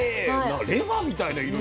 ⁉レバーみたいな色してる。